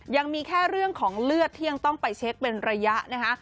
ยังมีแค่เรื่องของเลือดที่ยังต้องไปเช็คเป็นระยะนะคะ